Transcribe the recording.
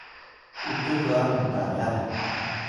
utux ga mtalah